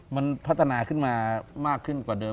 มันพัฒนาขึ้นมามากขึ้นกว่าเดิม